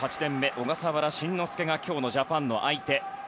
小笠原慎之介が今日のジャパンの相手。